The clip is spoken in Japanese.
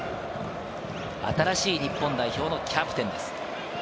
新しい日本代表のキャプテンです。